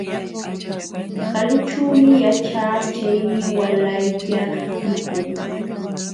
Kalućhuumi yaćhaa, chaymi waalaylla likuu.